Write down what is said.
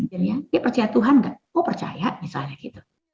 dia percaya tuhan gak oh percaya misalnya gitu